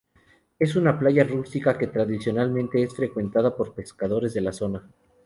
Es una playa rústica que tradicionalmente es frecuentada por pescadores de la zona.